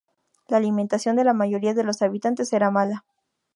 La alimentación de la mayoría de los habitantes era mala.